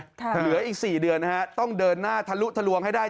เหลืออีก๔เดือนนะฮะต้องเดินหน้าทะลุทะลวงให้ได้